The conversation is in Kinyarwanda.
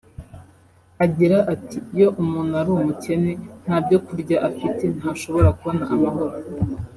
Agira ati “Iyo umuntu ari umukene nta byo kurya afite ntashobora kubona amahoro